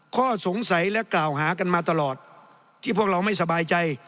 ข้อสงสัยและกล่าวหากันมาตลอดที่พวกเราไม่สบายใจ